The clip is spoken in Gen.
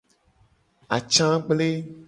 Atsa gble.